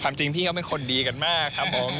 จริงพี่เขาเป็นคนดีกันมากครับผม